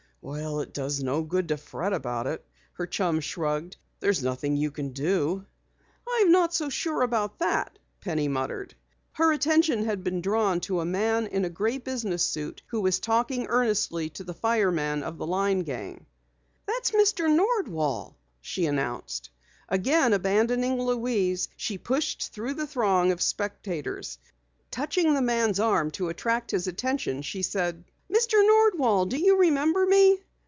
"Well, it does no good to fret about it," her chum shrugged. "There's nothing you can do." "I'm not so sure about that," Penny muttered. Her attention had been drawn to a man in a gray business suit who was talking earnestly to the fireman of the line gang. "That's Mr. Nordwall!" she announced. Again abandoning Louise, she pushed through the throng of spectators. Touching the man's arm to attract his attention, she said breathlessly: "Mr. Nordwall, do you remember me?"